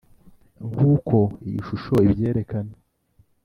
Nk uko iyi shusho ibyerekana